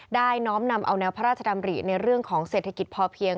น้อมนำเอาแนวพระราชดำริในเรื่องของเศรษฐกิจพอเพียง